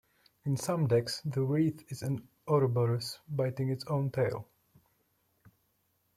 In some decks the wreath is an ouroborous biting its own tail.